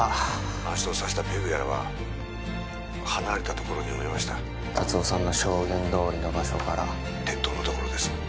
あの人を刺したペグやらは離れた所に埋めました達雄さんの証言どおりの場所から鉄塔の所です